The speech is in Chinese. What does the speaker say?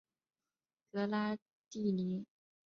格拉蒂尼。